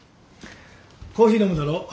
コーヒー飲むだろ？